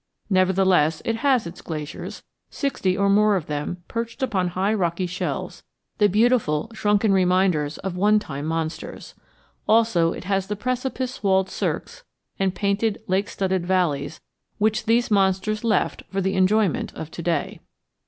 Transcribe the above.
Nevertheless, it has its glaciers, sixty or more of them perched upon high rocky shelves, the beautiful shrunken reminders of one time monsters. Also it has the precipice walled cirques and painted, lake studded valleys which these monsters left for the enjoyment of to day.